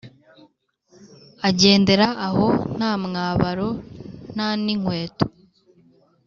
agendera aho, nta mwabaro nta n’inkweto.